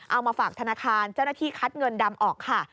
เอามาฝากธนาคารเจ้าหน้าที่คัดเงินดำออกค่ะ